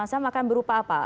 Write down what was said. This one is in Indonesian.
masa masa akan berupa apa